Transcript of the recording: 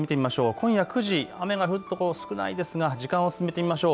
今夜９時、雨が降る所少ないですが時間を進めてみましょう。